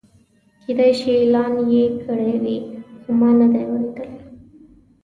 کېدای شي اعلان یې کړی وي خو ما نه دی اورېدلی.